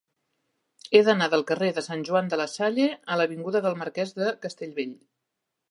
He d'anar del carrer de Sant Joan de la Salle a l'avinguda del Marquès de Castellbell.